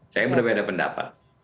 saya berbeda pendapat